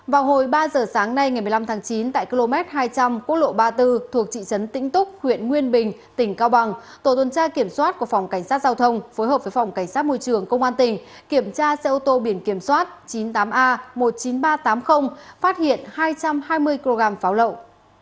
vào hồi ba giờ sáng nay ngày một mươi năm tháng chín tại km hai trăm linh quốc lộ ba mươi bốn thuộc thị trấn tĩnh túc huyện nguyên bình tỉnh cao bằng tổ tuần tra kiểm soát của phòng cảnh sát giao thông phối hợp với phòng cảnh sát môi trường công an tỉnh kiểm tra xe ô tô biển kiểm soát chín mươi tám a một mươi chín nghìn ba trăm tám mươi phát hiện hai trăm hai mươi kg pháo lậu